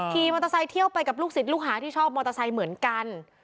ขี่มอเตอร์ไซค์เที่ยวไปกับลูกศิษย์ลูกหาที่ชอบมอเตอร์ไซค์เหมือนกัน